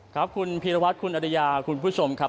ครับคุณพีรวัตรคุณอริยาคุณผู้ชมครับ